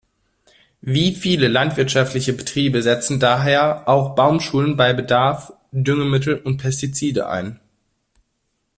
Wie viele landwirtschaftliche Betriebe setzen daher auch Baumschulen bei Bedarf Düngemittel und Pestizide ein.